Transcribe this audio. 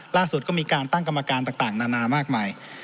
ล่าสุดก็มีการตั้งกรรมการต่างนานามากมาย